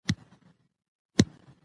د تاريكي شپې استازى را روان دى